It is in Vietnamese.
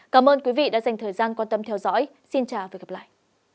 cảm ơn quý vị đã dành thời gian quan tâm theo dõi xin chào và hẹn gặp lại